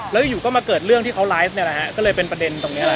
แล้วอยู่ก็มาเกิดเรื่องที่เขาไลฟ์เนี่ยนะฮะก็เลยเป็นประเด็นตรงนี้แหละ